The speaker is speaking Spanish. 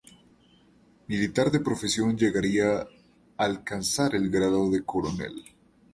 Militar de profesión, llegaría alcanzar el grado de coronel.